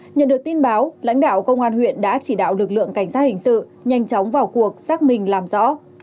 nhận được tin báo lãnh đạo công an huyện đã chỉ đạo lực lượng cảnh sát hình sự nhanh chóng vào cuộc xác minh làm rõ